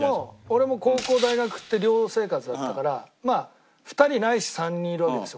俺も高校大学って寮生活だったからまあ２人ないし３人いるわけですよ。